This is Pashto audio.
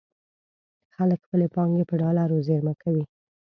خلک خپلې پانګې په ډالرو زېرمه کوي.